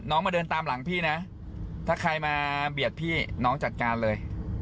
มาเดินตามหลังพี่นะถ้าใครมาเบียดพี่น้องจัดการเลย